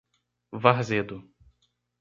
Varzedo